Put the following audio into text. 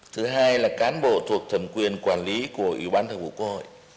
thứ hai là cán bộ thuộc thầm quyền quản lý của ubthqh